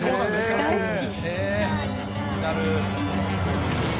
大好き。